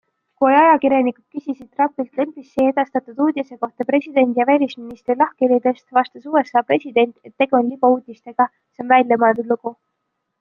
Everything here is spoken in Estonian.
Kui ajakirjanikud küsisid Trumpilt NBC edastatud uudise kohta presidendi ja välisministri lahkhelidest, vastas USA president, et tegu oli libauudistega - see on väljamõeldud lugu.